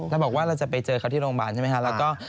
แล้วบอกว่าเราจะไปเจอเขาที่โรงพยาบาลใช่ไหมคะ